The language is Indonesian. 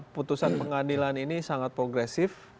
putusan pengadilan ini sangat progresif